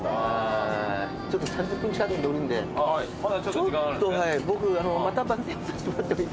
ちょっと３０分近く乗るんでちょっと僕また番宣させてもらってもいいですか？